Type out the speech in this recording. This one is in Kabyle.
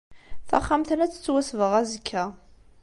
Taxxamt-nni ad tettwasbeɣ azekka.